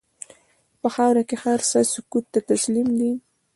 په خاوره کې هر څه سکوت ته تسلیم دي.